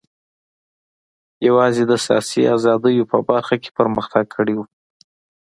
یوازې د سیاسي ازادیو په برخه کې پرمختګ کړی و.